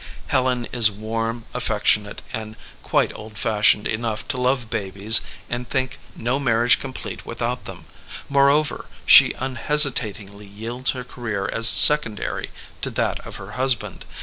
Helen is warm, affectionate, and quite old fashioned enough to love babies and think no marriage complete without them; moreover, she unhesitatingly yields her career as secondary to that of her husband.